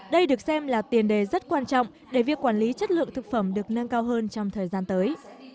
đây được xem là tiền đề rất quan trọng để việc quản lý chất lượng thực phẩm được nâng cao hơn trong thời gian tới